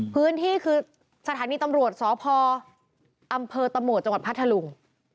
พื้นที่คือสถานีตำรวชสภอตมจพทภารุง